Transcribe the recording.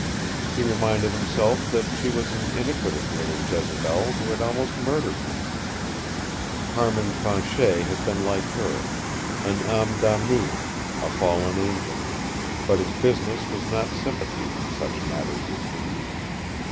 He reminded himself that she was an iniquitous little Jezebel who had almost murdered him. Carmin Fanchet had been like her, an AME DAMNEE a fallen angel but his business was not sympathy in such matters as these.